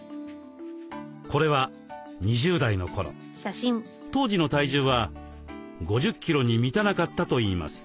これは当時の体重は５０キロに満たなかったといいます。